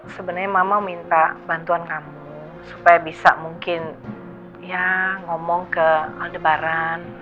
sebenarnya mama minta bantuan kamu supaya bisa mungkin ya ngomong ke al debaran